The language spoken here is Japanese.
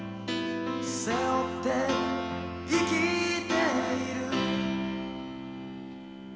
「背負って生きている」